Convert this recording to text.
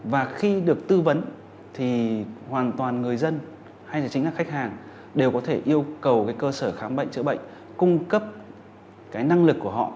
và khi được tư vấn thì hoàn toàn người dân hay chính là khách hàng đều có thể yêu cầu cái cơ sở khám bệnh chữa bệnh cung cấp cái năng lực của họ